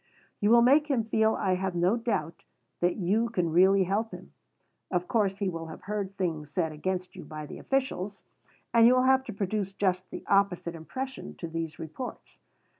You will make him feel, I have no doubt, that you can really help him. Of course he will have heard things said against you by the officials; and you will have to produce just the opposite impression to these reports.